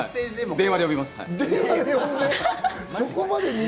電話で呼びます。